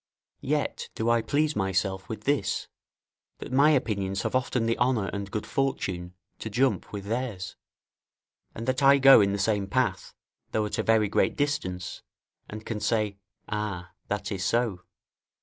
Yet do I please myself with this, that my opinions have often the honour and good fortune to jump with theirs, and that I go in the same path, though at a very great distance, and can say, "Ah, that is so."